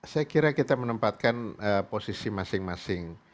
saya kira kita menempatkan posisi masing masing